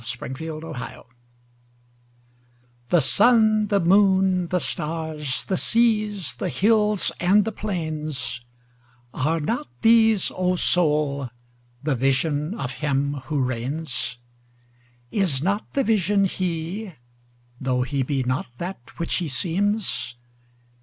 The Higher Pantheism THE SUN, the moon, the stars, the seas, the hills and the plains—Are not these, O Soul, the Vision of Him who reigns? Is not the Vision He? tho' He be not that which He seems?